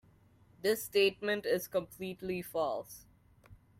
This statement is completely false.